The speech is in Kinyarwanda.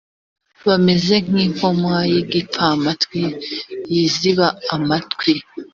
bameze nk impoma y igipfamatwi yiziba amatwi